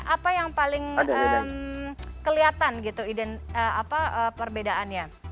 apa yang paling kelihatan gitu perbedaannya